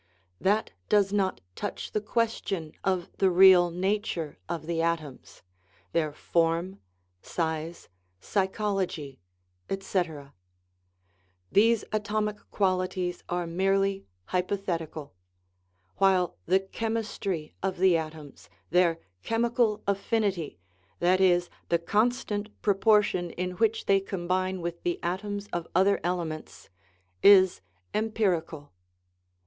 That does not touch the question of the real nature of the atoms their form, size, psychology, etc. These atomic qualities are merely hypothetical ; while 223 THE RIDDLE OF THE UNIVERSE the chemistry of the atoms, their " chemical affinity"" that is, the constant proportion in which they com bine with the atoms of other elements is empirical.